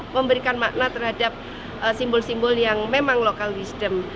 memberikan makna terhadap simbol simbol yang memang local wisdom